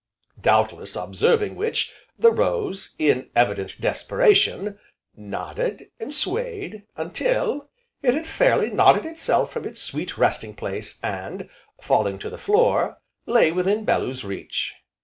Doubtless observing which, the rose, in evident desperation, nodded, and swayed, until, it had fairly nodded itself from its sweet resting place, and, falling to the floor, lay within Bellew's reach.